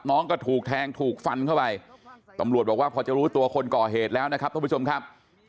น้องก็ถูกแทงถูกฟันเข้าไปตำรวจบอกว่าพอจะรู้ตัวคนก่อเหตุแล้วนะครับท่านผู้ชมครับ